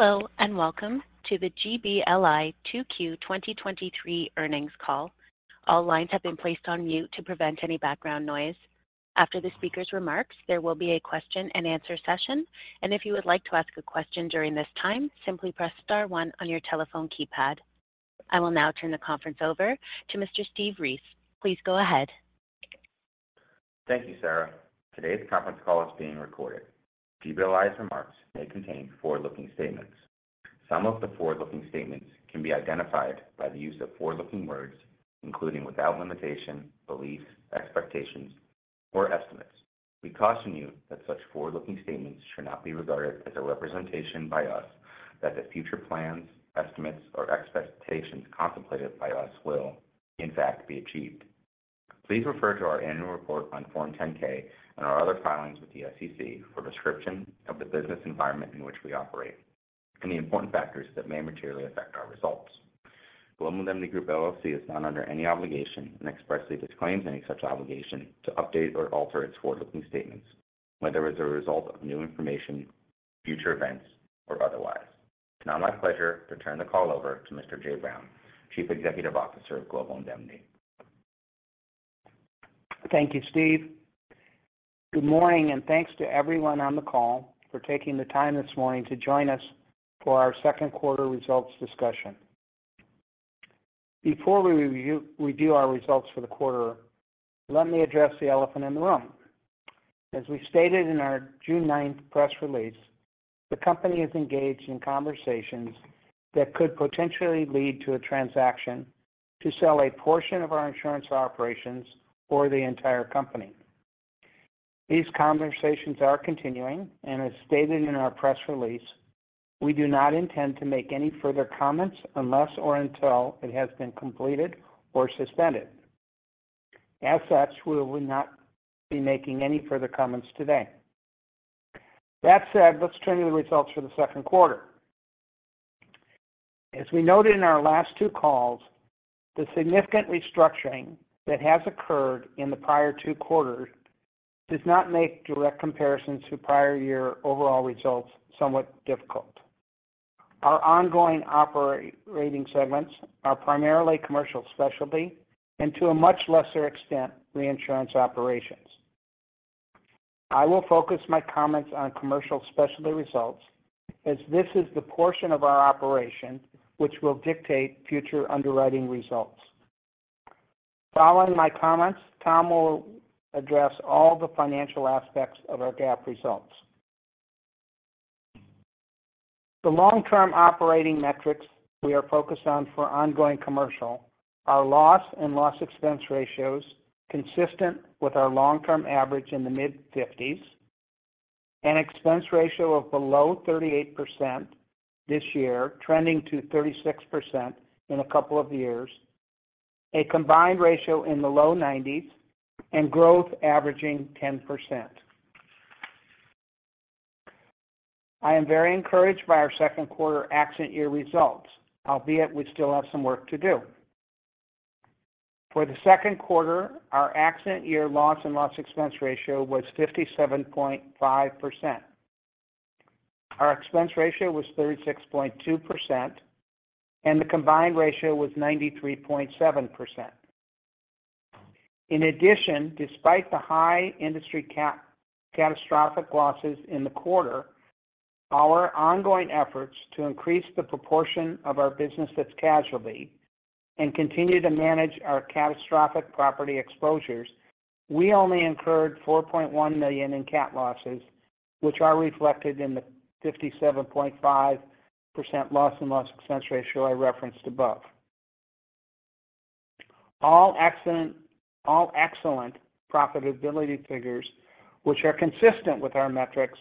Hello, welcome to the GBLI 2Q 2023 earnings call. All lines have been placed on mute to prevent any background noise. After the speaker's remarks, there will be a question and answer session. If you would like to ask a question during this time, simply press start one on your telephone keypad. I will now turn the conference over to Mr. Steve Ries. Please go ahead. Thank you, Sarah. Today's conference call is being recorded. GBLI's remarks may contain forward-looking statements. Some of the forward-looking statements can be identified by the use of forward-looking words, including, without limitation, beliefs, expectations, or estimates. We caution you that such forward-looking statements should not be regarded as a representation by us that the future plans, estimates, or expectations contemplated by us will in fact be achieved. Please refer to our annual report on Form 10-K and our other filings with the SEC for a description of the business environment in which we operate and the important factors that may materially affect our results. Global Indemnity Group, LLC is not under any obligation and expressly disclaims any such obligation to update or alter its forward-looking statements, whether as a result of new information, future events, or otherwise. It's now my pleasure to turn the call over to Mr. Jay Brown, Chief Executive Officer of Global Indemnity. Thank you, Steve. Good morning, and thanks to everyone on the call for taking the time this morning to join us for our Q2 results discussion. Before we review, review our results for the quarter, let me address the elephant in the room. As we stated in our June 9th press release, the company is engaged in conversations that could potentially lead to a transaction to sell a portion of our insurance operations or the entire company. These conversations are continuing, and as stated in our press release, we do not intend to make any further comments unless or until it has been completed or suspended. As such, we will not be making any further comments today. That said, let's turn to the results for the Q2. As we noted in our last two calls, the significant restructuring that has occurred in the prior two quarters does not make direct comparisons to prior year overall results somewhat difficult. Our ongoing operating segments are primarily Commercial Specialty and to a much lesser extent, reinsurance operations. I will focus my comments on Commercial Specialty results as this is the portion of our operation which will dictate future underwriting results. Following my comments, Tom will address all the financial aspects of our GAAP results. The long-term operating metrics we are focused on for ongoing commercial are loss and loss expense ratios consistent with our long-term average in the mid-50s, an expense ratio of below 38% this year, trending to 36% in a couple of years, a combined ratio in the low 90s, and growth averaging 10%. I am very encouraged by our Q2 accident year results, albeit we still have some work to do. For the Q2, our accident year loss and loss expense ratio was 57.5%. Our expense ratio was 36.2%, and the combined ratio was 93.7%. In addition, despite the high industry catastrophic losses in the quarter, our ongoing efforts to increase the proportion of our business that's casualty and continue to manage our catastrophic property exposures, we only incurred $4.1 million in cat losses, which are reflected in the 57.5% loss and loss expense ratio I referenced above. All excellent profitability figures, which are consistent with our metrics,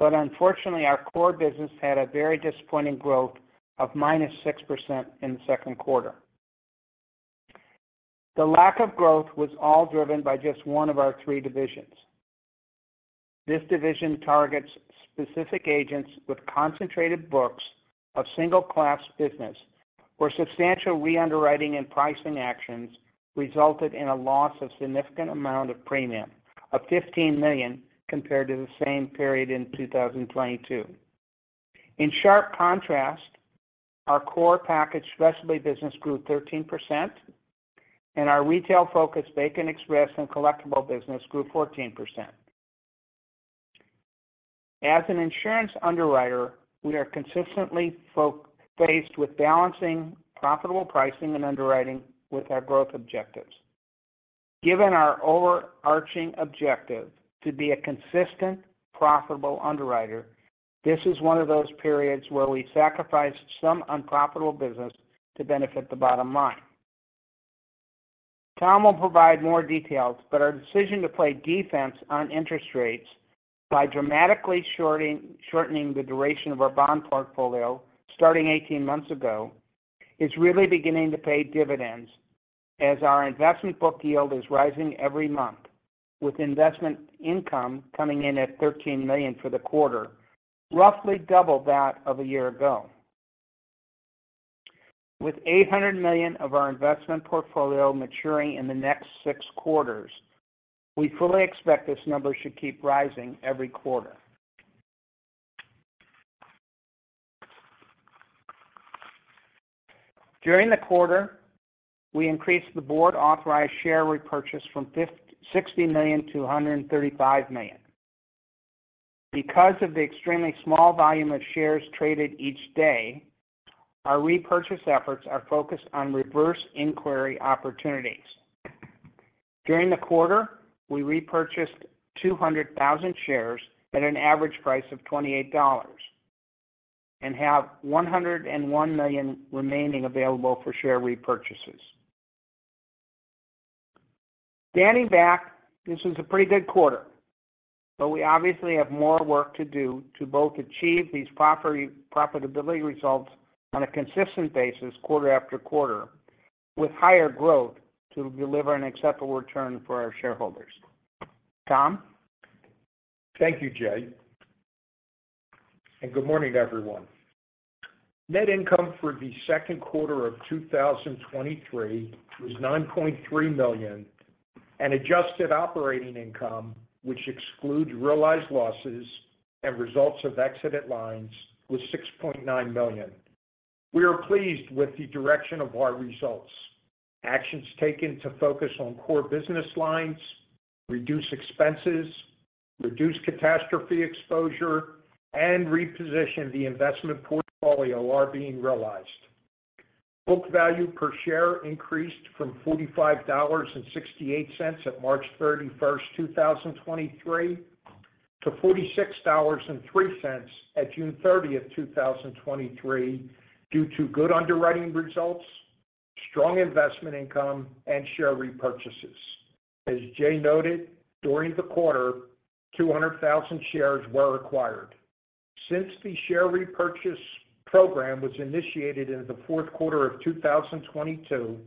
but unfortunately, our core business had a very disappointing growth of -6% in the Q2. The lack of growth was all driven by just one of our three divisions. This division targets specific agents with concentrated books of single-class business, where substantial reunderwriting and pricing actions resulted in a loss of significant amount of premium of $15 million compared to the same period in 2022. In sharp contrast, our core Package Specialty business grew 13%, and our retail-focused Vacant Express and collectible business grew 14%. As an insurance underwriter, we are consistently faced with balancing profitable pricing and underwriting with our growth objectives. Given our overarching objective to be a consistent, profitable underwriter, this is 1 of those periods where we sacrificed some unprofitable business to benefit the bottom line. Tom will provide more details, our decision to play defense on interest rates by dramatically shortening the duration of our bond portfolio starting 18 months ago, is really beginning to pay dividends as our investment book yield is rising every month, with investment income coming in at $13 million for the quarter, roughly double that of a year ago. With $800 million of our investment portfolio maturing in the next six quarters, we fully expect this number should keep rising every quarter. During the quarter, we increased the board-authorized share repurchase from $60 million-$135 million. Because of the extremely small volume of shares traded each day, our repurchase efforts are focused on reverse inquiry opportunities. During the quarter, we repurchased 200,000 shares at an average price of $28 and have $101 million remaining available for share repurchases. Standing back, this is a pretty good quarter. We obviously have more work to do to both achieve these property profitability results on a consistent basis quarter after quarter, with higher growth to deliver an acceptable return for our shareholders. Tom? Thank you, Jay. Good morning, everyone. Net income for the Q2 of 2023 was $9.3 million, and adjusted operating income, which excludes realized losses and results of exited lines, was $6.9 million. We are pleased with the direction of our results. Actions taken to focus on core business lines, reduce expenses, reduce catastrophe exposure, and reposition the investment portfolio are being realized. Book value per share increased from $45.68 at March 31st, 2023, to $46.03 at June 30th, 2023, due to good underwriting results, strong investment income, and share repurchases. As Jay noted, during the quarter, 200,000 shares were acquired. Since the share repurchase program was initiated in the Q4 of 2022,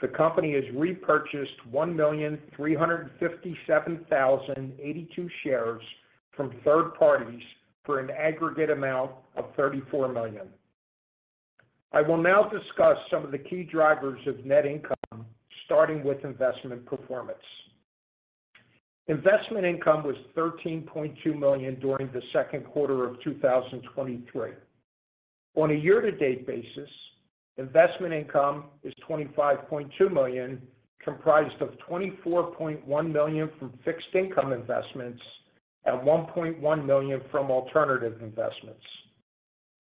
the company has repurchased 1,357,082 shares from third parties for an aggregate amount of $34 million. I will now discuss some of the key drivers of net income, starting with investment performance. Investment income was $13.2 million during the Q2 of 2023. On a year-to-date basis, investment income is $25.2 million, comprised of $24.1 million from fixed income investments and $1.1 million from alternative investments.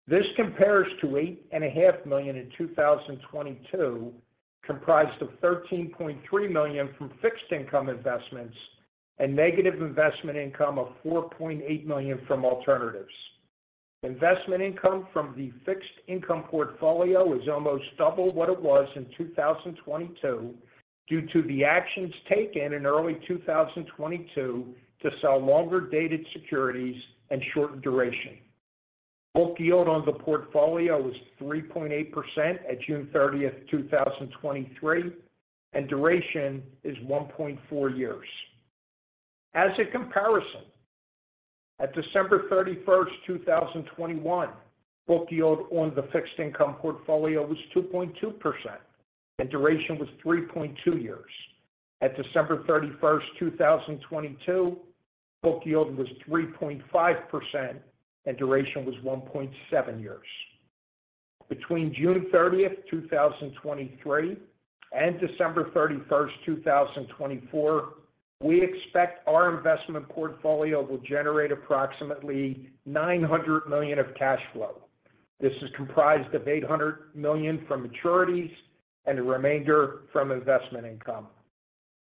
This compares to $8.5 million in 2022, comprised of $13.3 million from fixed income investments and negative investment income of $4.8 million from alternatives. Investment income from the fixed income portfolio is almost double what it was in 2022, due to the actions taken in early 2022 to sell longer-dated securities and short duration. Book yield on the portfolio was 3.8% at June 30th, 2023, and duration is 1.4 years. As a comparison, at December 31st, 2021, book yield on the fixed income portfolio was 2.2%, and duration was 3.2 years. At December 31st, 2022, book yield was 3.5%, and duration was 1.7 years. Between June 30th, 2023, and December 31st, 2024, we expect our investment portfolio will generate approximately $900 million of cash flow. This is comprised of $800 million from maturities and the remainder from investment income.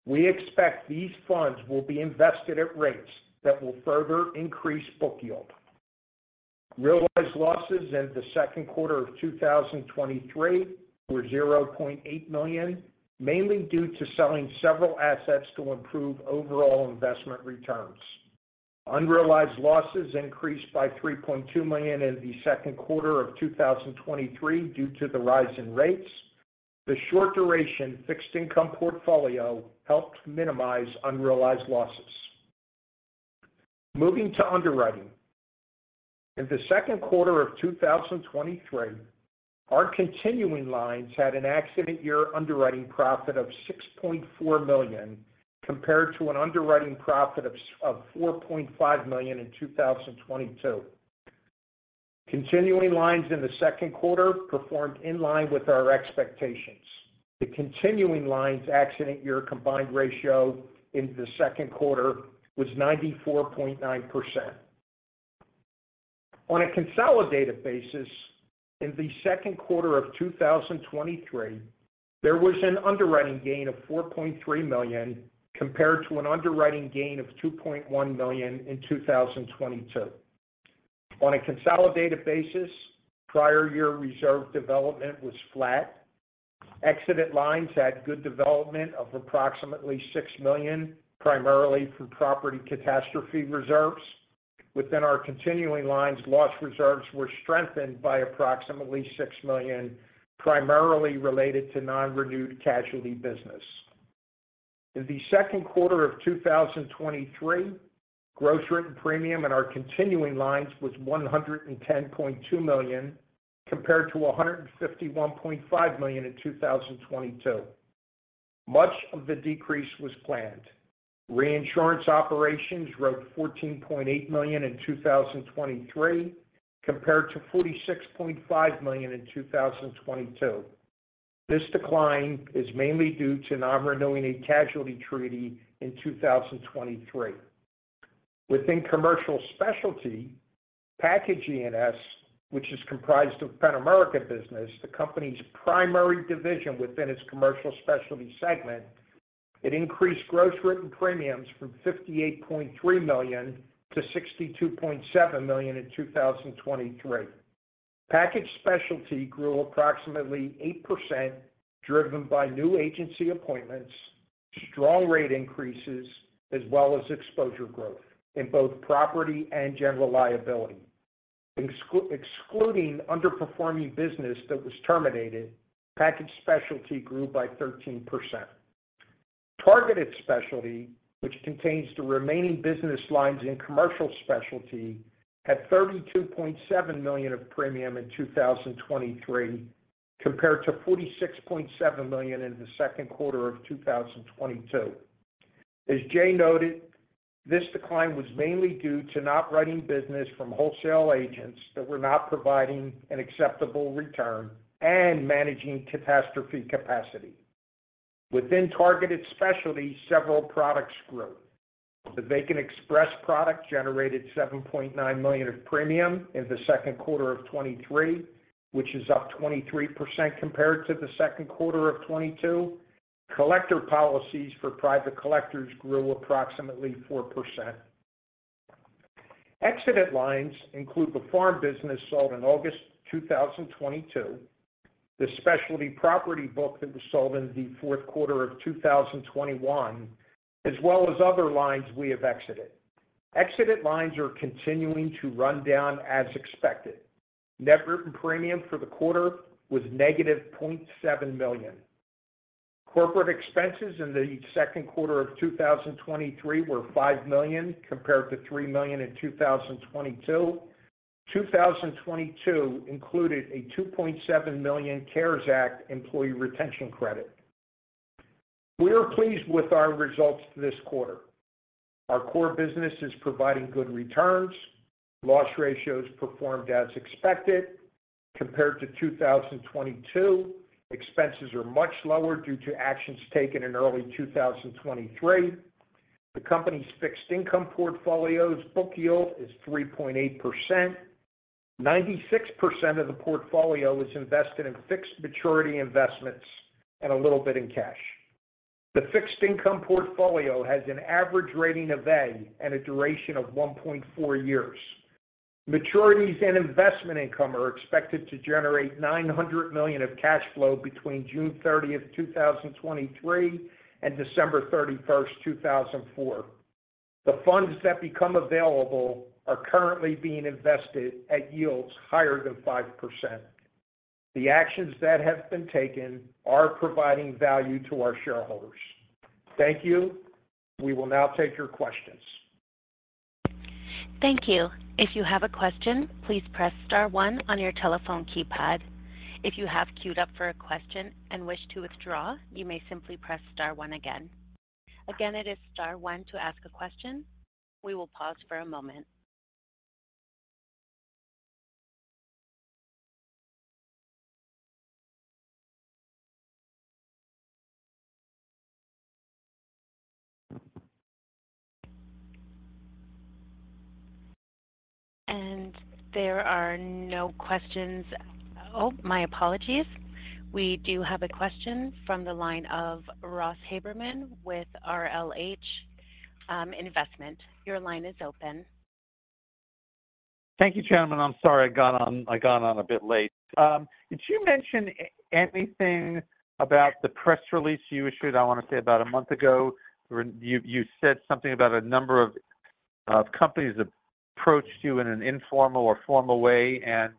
We expect these funds will be invested at rates that will further increase book yield. Realized losses in the Q2 of 2023 were $0.8 million, mainly due to selling several assets to improve overall investment returns. Unrealized losses increased by $3.2 million in the Q2 of 2023 due to the rise in rates. The short duration fixed income portfolio helped minimize unrealized losses. Moving to underwriting. In the Q2 of 2023, our continuing lines had an accident year underwriting profit of $6.4 million, compared to an underwriting profit of $4.5 million in 2022. Continuing lines in the Q2 performed in line with our expectations. The continuing lines accident year combined ratio in the Q2 was 94.9%. On a consolidated basis, in the Q2 of 2023, there was an underwriting gain of $4.3 million, compared to an underwriting gain of $2.1 million in 2022. On a consolidated basis, prior year reserve development was flat. Exited lines had good development of approximately $6 million, primarily from property catastrophe reserves. Within our continuing lines, loss reserves were strengthened by approximately $6 million, primarily related to non-renewed casualty business. In the Q2 of 2023, gross written premium in our continuing lines was $110.2 million, compared to $151.5 million in 2022. Much of the decrease was planned. Reinsurance operations wrote $14.8 million in 2023, compared to $46.5 million in 2022. This decline is mainly due to not renewing a casualty treaty in 2023. Within Commercial Specialty, Package E&S, which is comprised of Penn-America business, the company's primary division within its Commercial Specialty segment, it increased gross written premiums from $58.3 millionmillion-$62.7 million in 2023. Package Specialty grew approximately 8%, driven by new agency appointments, strong rate increases, as well as exposure growth in both property and general liability. Excluding underperforming business that was terminated, Package Specialty grew by 13%. Targeted Specialty, which contains the remaining business lines in Commercial Specialty, had $32.7 million of premium in 2023, compared to $46.7 million in the Q2 of 2022. As Jay noted, this decline was mainly due to not writing business from wholesale agents that were not providing an acceptable return and managing catastrophe capacity. Within Targeted Specialty, several products grew. The Vacant Express product generated $7.9 million of premium in the Q2 of 2023, which is up 23% compared to the Q2 of 2022. collector policies for private collectors grew approximately 4%. Exited lines include the farm business sold in August 2022, the specialty property book that was sold in the Q4 of 2021, as well as other lines we have exited. Exited lines are continuing to run down as expected. Net written premium for the quarter was -$0.7 million. Corporate expenses in the Q2 of 2023 were $5 million, compared to $3 million in 2022. 2022 included a $2.7 million CARES Act Employee Retention Credit. We are pleased with our results this quarter. Our core business is providing good returns. Loss ratios performed as expected compared to 2022. Expenses are much lower due to actions taken in early 2023. The company's fixed income portfolio's book yield is 3.8%. 96% of the portfolio is invested in fixed maturity investments and a little bit in cash. The fixed income portfolio has an average rating of A and a duration of 1.4 years. Maturities and investment income are expected to generate $900 million of cash flow between June 30, 2023, and December 31st, 2024. The funds that become available are currently being invested at yields higher than 5%. The actions that have been taken are providing value to our shareholders. Thank you. We will now take your questions. Thank you. If you have a question, please press star one on your telephone keypad. If you have queued up for a question and wish to withdraw, you may simply press star one again. Again, it is star one to ask a question. We will pause for a moment. And there are no questions. Oh, my apologies. We do have a question from the line of Ross Haberman with RLH Investments. Your line is open. Thank you, gentlemen. I'm sorry, I got on a bit late. Did you mention anything about the press release you issued, I want to say, about a month ago? Where you, you said something about a number of, of companies approached you in an informal or formal way, and,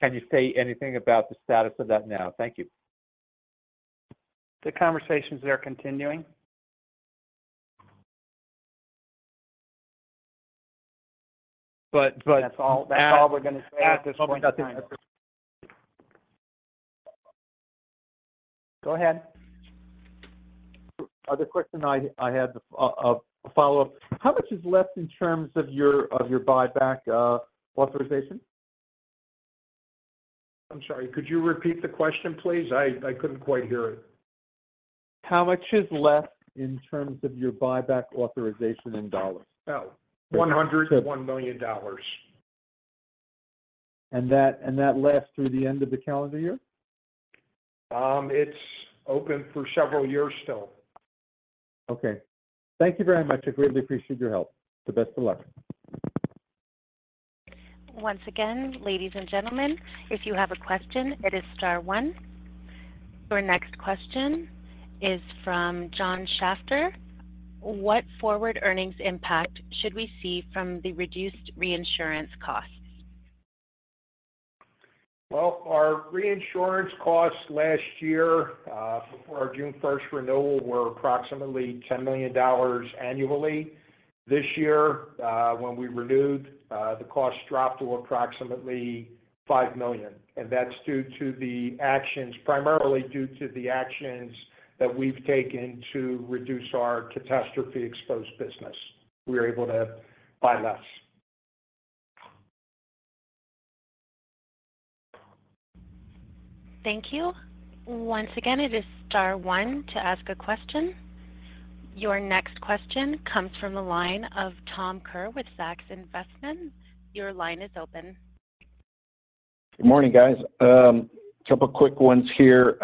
can you say anything about the status of that now? Thank you. The conversations are continuing. But, but- That's all. And- That's all we're going to say at this point in time. Go ahead. Other question I had, a follow-up. How much is left in terms of your buyback authorization? I'm sorry, could you repeat the question, please? I couldn't quite hear it. How much is left in terms of your buyback authorization in dollars? Oh, $101 million. That, and that lasts through the end of the calendar year? It's open for several years still. Okay. Thank you very much. I greatly appreciate your help. The best of luck. Once again, ladies and gentlemen, if you have a question, it is star one. Our next question is from John Shafter. What forward earnings impact should we see from the reduced reinsurance costs? Well, our reinsurance costs last year, for our June first renewal were approximately $10 million annually. This year, when we renewed, the cost dropped to approximately $5 million, and that's due to primarily due to the actions that we've taken to reduce our catastrophe-exposed business. We were able to buy less. Thank you. Once again, it is star one to ask a question. Your next question comes from the line of Tom Kerr with Zacks Investment Research. Your line is open. Good morning, guys. A couple quick ones here.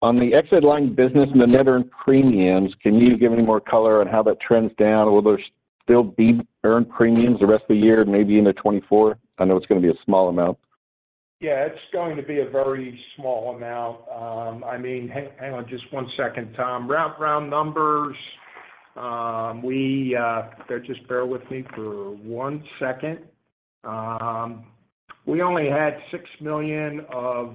On the exit line business and the net earned premiums, can you give any more color on how that trends down? Will there still be earned premiums the rest of the year, maybe into 2024? I know it's gonna be a small amount. Yeah, it's going to be a very small amount. I mean, hang, hang on just one second, Tom. Round, round numbers, just bear with me for one second. We only had $6 million of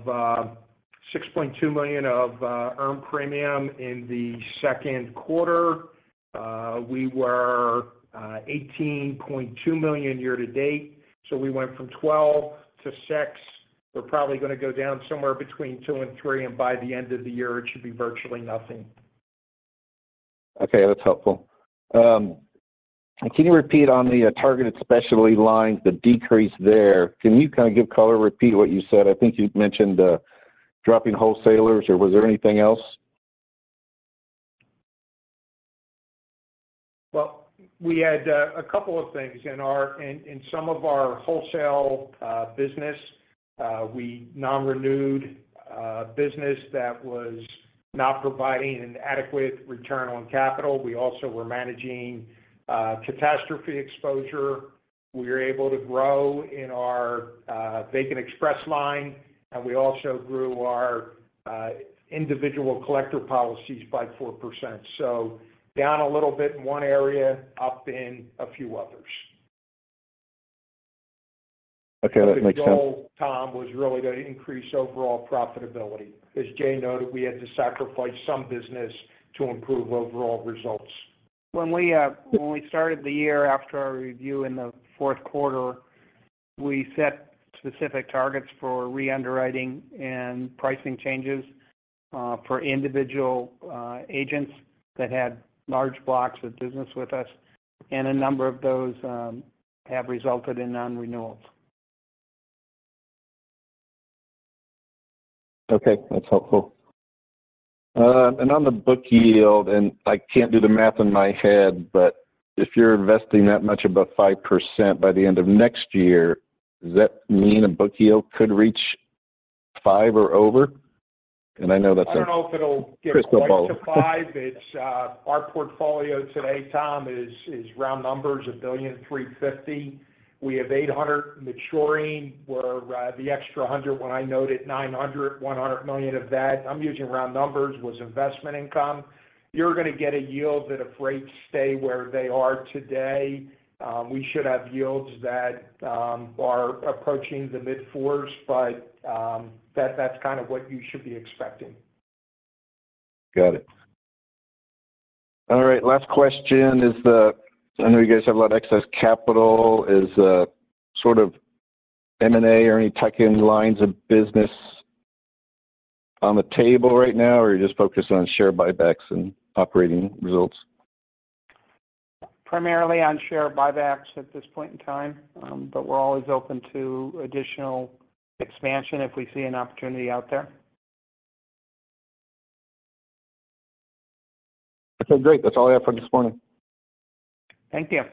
$6.2 million of earned premium in the Q2. We were $18.2 million year to date, so we went from $12 million to $6 million. We're probably gonna go down somewhere between $2 million and $3 million, and by the end of the year, it should be virtually nothing. Okay, that's helpful. Can you repeat on the Targeted Specialty lines, the decrease there, can you kind of give color, repeat what you said? I think you'd mentioned dropping wholesalers, or was there anything else? Well, we had a couple of things. In some of our wholesale business, we non-renewed business that was not providing an adequate return on capital. We also were managing catastrophe exposure. We were able to grow in our Vacant Express line, and we also grew our individual collector policies by 4%. Down a little bit in one area, up in a few others. Okay, that makes sense. The goal, Tom, was really to increase overall profitability. As Jay noted, we had to sacrifice some business to improve overall results. When we started the year after our review in the Q4, we set specific targets for reunderwriting and pricing changes, for individual agents that had large blocks of business with us, and a number of those have resulted in non-renewals. Okay, that's helpful. On the book yield, I can't do the math in my head, but if you're investing that much about 5% by the end of next year, does that mean a book yield could reach five or over? I know that's a- I don't know if it'll get quite to five. crystal ball. It's, our portfolio today, Tom, is, is round numbers, $1.35 billion. We have $800 million maturing, where, the extra $100 million, when I noted $900 million, $100 million of that, I'm using round numbers, was investment income. You're gonna get a yield that if rates stay where they are today, we should have yields that are approaching the mid-4s, but, that, that's kind of what you should be expecting. Got it. All right, last question is the. I know you guys have a lot of excess capital. Is, sort of M&A or any tuck-in lines of business on the table right now, or are you just focused on share buybacks and operating results? Primarily on share buybacks at this point in time, but we're always open to additional expansion if we see an opportunity out there. Okay, great. That's all I have for this morning. Thank you.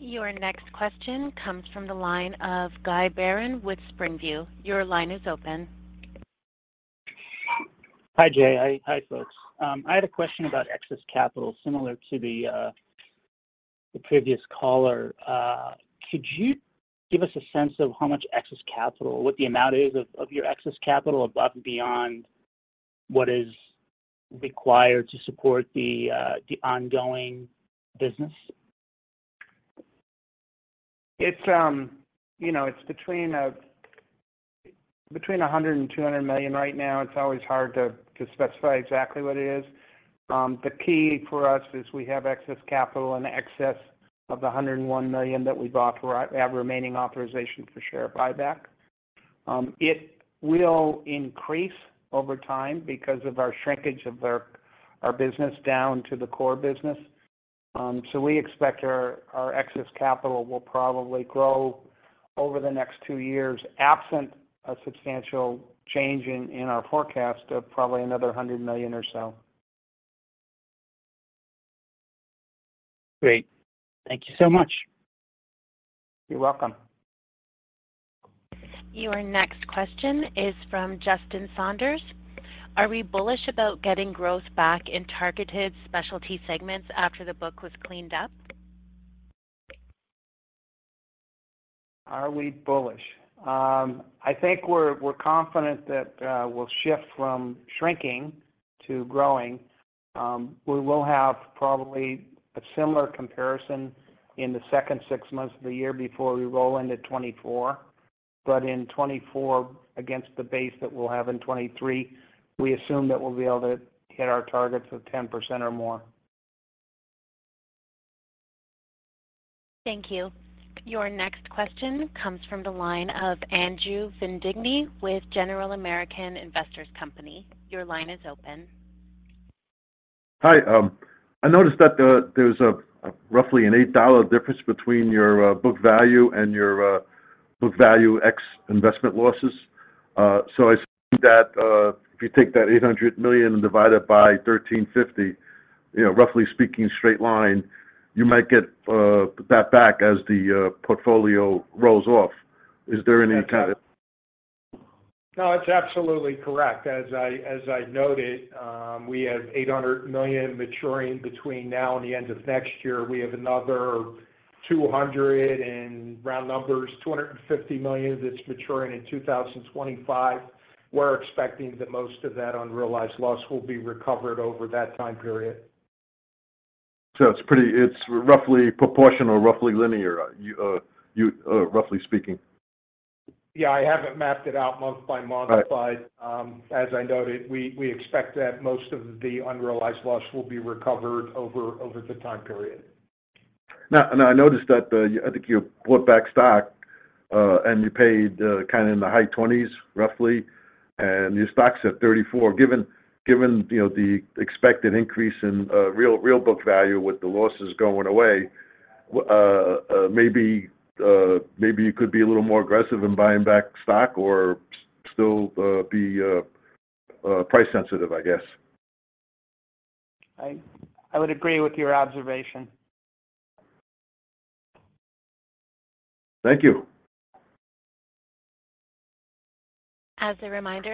Your next question comes from the line of Guy Baron with Springview. Your line is open. Hi, Jay. Hi, hi, folks. I had a question about excess capital, similar to the previous caller. Could you give us a sense of how much excess capital, what the amount is of, of your excess capital above and beyond what is required to support the ongoing business? It's, you know, it's between $100 million-$200 million right now. It's always hard to, to specify exactly what it is. The key for us is we have excess capital and excess of the $101 million that we bought for our remaining authorization for share buyback. It will increase over time because of our shrinkage of our, our business down to the core business. We expect our, our excess capital will probably grow over the next two years, absent a substantial change in, in our forecast of probably another $100 million or so. Great. Thank you so much. You're welcome. Your next question is from Justin Saunders. Are we bullish about getting growth back in Targeted Specialty segments after the book was cleaned up? Are we bullish? I think we're, we're confident that, we'll shift from shrinking-to growing. We will have probably a similar comparison in the cond six months of the year before we roll into 2024. In 2024, against the base that we'll have in 2023, we assume that we'll be able to hit our targets of 10% or more. Thank you. Your next question comes from the line of y. Your line is open. Hi. I noticed that the, there's roughly an $8 difference between your book value and your book value ex investment losses. I see that, if you take that $800 million and divide it by 1,350, you know, roughly speaking, straight line, you might get that back as the portfolio rolls off. Is there any kind of. No, that's absolutely correct. As I, as I noted, we have $800 million maturing between now and the end of next year. We have another, in round numbers, $250 million that's maturing in 2025. We're expecting that most of that unrealized loss will be recovered over that time period. It's roughly proportional, roughly linear, roughly speaking? Yeah. I haven't mapped it out month by month- Right. As I noted, we, we expect that most of the unrealized loss will be recovered over, over the time period. Now, now I noticed that, I think you bought back stock, and you paid, kind of in the high $20s, roughly, and your stock's at $34. Given, given, you know, the expected increase in real real book value with the losses going away, maybe, maybe you could be a little more aggressive in buying back stock or still, be, price sensitive, I guess. I, I would agree with your observation. Thank you. As a reminder.